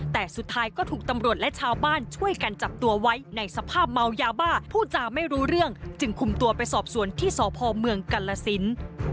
แต่สุดท้ายก็ถูกตำรวจและชาวบ้านช่วยกันจับตัวไว้ในสภาพเมายาบ้าพูดจาไม่รู้เรื่องจึงคุมตัวไปสอบสวนที่สพเมืองกรสิน